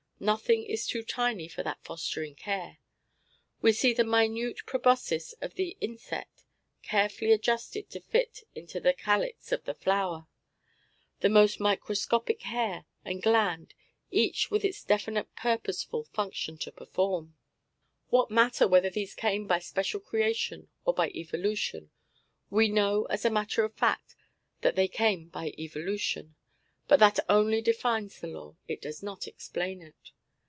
Nothing is too tiny for that fostering care. We see the minute proboscis of the insect carefully adjusted to fit into the calyx of the flower, the most microscopic hair and gland each with its definite purposeful function to perform. What matter whether these came by special creation or by evolution? We know as a matter of fact that they came by evolution, but that only defines the law. It does not explain it.